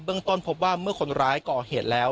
ต้นพบว่าเมื่อคนร้ายก่อเหตุแล้ว